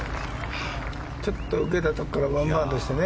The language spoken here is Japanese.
受けたところからワンバウンドしてね。